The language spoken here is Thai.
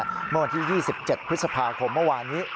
เมื่อวันที่๒๗พฤษภาคมเมื่อวานนี้